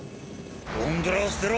ゴンドラを捨てろ。